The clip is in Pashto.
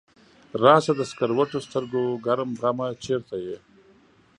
راشه د سکروټو سترګو ګرم غمه چرته یې؟